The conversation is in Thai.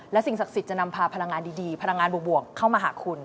และสิ่งศักดิ์สิทธิ์จะนำพาพลังงานดีพลังงานบวกเข้ามาหาคุณ